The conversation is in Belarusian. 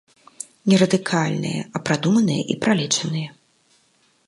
Не радыкальныя, а прадуманыя і пралічаныя.